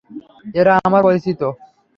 এরা আমার পরিচিত।